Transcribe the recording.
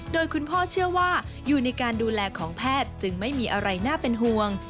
โดยคุณพ่อเชื่อว่าอยู่ในการดูแลของแพทย์จึงไม่มีอะไรน่าเป็นห่วง